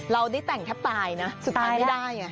เราได้แต่งแทบตายนะสุดท้ายไม่ได้